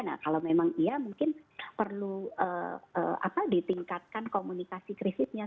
nah kalau memang iya mungkin perlu ditingkatkan komunikasi krisisnya